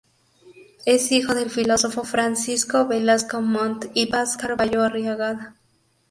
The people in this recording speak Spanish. Es hijo del filósofo Francisco Velasco Montt y Paz Carvallo Arriagada.